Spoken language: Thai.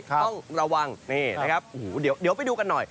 ต้องระวังนี่นะครับโอ้โหเดี๋ยวไปดูกันหน่อย